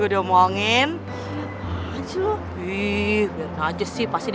aduh ngapain sih kesini